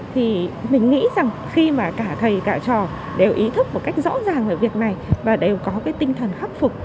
thì mình nghĩ rằng khi mà cả thầy cả trò đều ý thức một cách rõ ràng về việc này và đều có cái tinh thần khắc phục